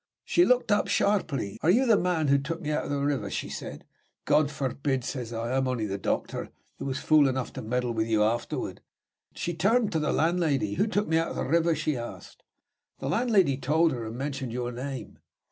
She looked up sharply. 'Are you the man who took me out of the river?' she said. 'God forbid!' says I. 'I'm only the doctor who was fool enough to meddle with you afterward.' She turned to the landlady. 'Who took me out of the river?' she asked. The landlady told her, and mentioned your name.